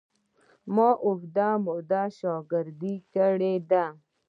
ما اوږده موده شاګردي کړې ده.